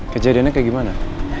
kejadiannya kayak gimana